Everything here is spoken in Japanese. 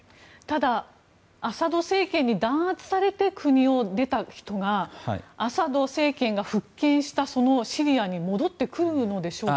ただ、アサド政権に弾圧されて国を出た人がアサド政権が復権したシリアに戻ってくるのでしょうか。